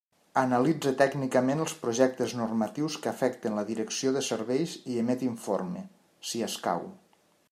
Analitza tècnicament els projectes normatius que afecten la Direcció de Serveis i emet informe, si escau.